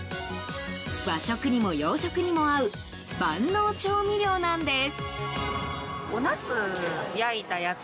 和食にも洋食にも合う万能調味料なんです。